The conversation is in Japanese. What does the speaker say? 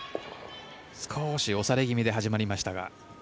少し押されぎみで始まりましたが。